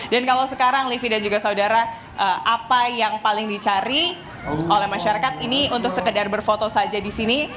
dan kalau sekarang livi dan juga saudara apa yang paling dicari oleh masyarakat ini untuk sekedar berfoto saja di sini